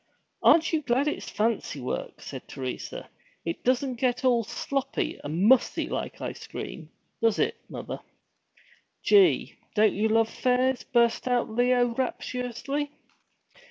'Aren't you glad it's fancy work?' said Teresa. 'It doesn't get all sloppy and mussy like ice cream, does it, mother?' 'Gee, don't you love fairs!' burst out Leo rapturously.